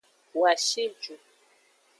Woa shi ju.